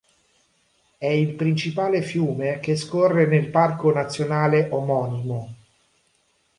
È il principale fiume che scorre nel parco nazionale omonimo.